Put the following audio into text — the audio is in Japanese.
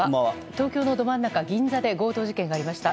東京のど真ん中銀座で強盗事件がありました。